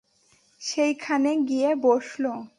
সেইখানে গিয়ে বসল।